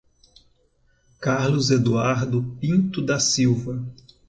Carlos Eduardo Pinto da Silva